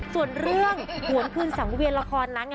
ส่วนเรื่องหวนคืนสังเวียนละครนั้น